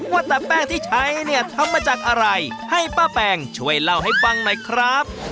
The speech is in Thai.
ว่าแต่แป้งที่ใช้เนี่ยทำมาจากอะไรให้ป้าแปงช่วยเล่าให้ฟังหน่อยครับ